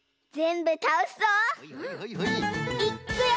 いっくよ！